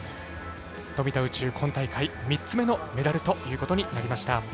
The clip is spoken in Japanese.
富田宇宙、今大会３つ目のメダルとなりました。